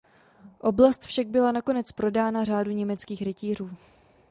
Oblast však byla nakonec prodána Řádu německých rytířů.